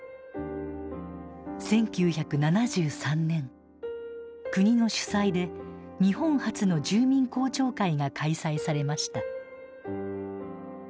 １９７３年国の主催で日本初の住民公聴会が開催されました。